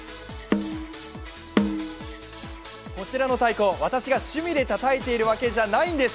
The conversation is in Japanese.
こちらの太鼓、私が趣味でたたいているわけじゃないんです！